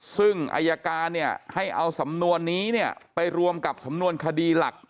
ซึ่งอายการให้เอาสำนวนนี้ไปรวมกับสำนวนคดีหลัก